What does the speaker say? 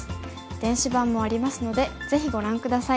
電子版もありますのでぜひご覧下さい。